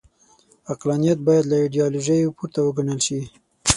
عقلانیت باید له ایډیالوژیو پورته وګڼل شي.